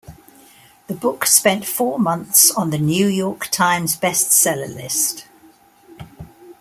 The book spent four months on the "New York Times" Best Seller List.